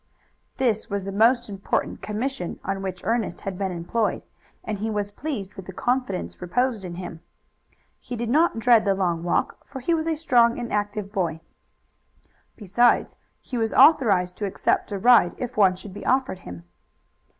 This was the most important commission on which Ernest had been employed, and he was pleased with the confidence reposed in him. He did not dread the long walk, for he was a strong and active boy. Besides, he was authorized to accept a ride if one should be offered him.